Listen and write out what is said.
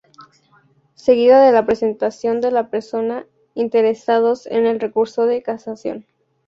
Seguida de la Presentación de la persona Interesados en el recurso de casación.